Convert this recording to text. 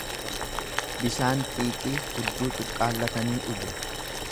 Bishaan xiiqii hudduu cuqqallatanii dhugu.